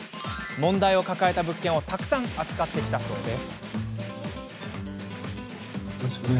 問題を抱えた物件をたくさん扱ってきたそうです。